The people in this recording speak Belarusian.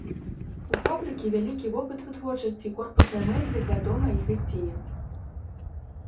У фабрыкі вялікі вопыт вытворчасці корпуснай мэблі для дома і гасцініц.